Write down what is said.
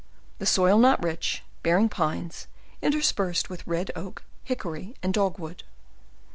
the soil not rich, bearing pines, inter spersed with red oak, hickory, and dog wood.